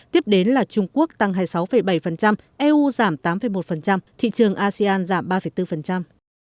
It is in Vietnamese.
tiếp đến là trung quốc tăng hai mươi sáu bảy eu giảm tám một thị trường asean giảm ba bốn